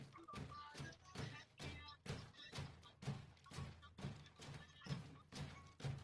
wigi na hata bango dogo la rangi ya zambarau